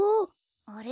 あれ？